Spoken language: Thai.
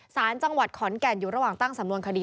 สารจังหวัดขอนแก่นอยู่ระหว่างตั้งสำนวนคดี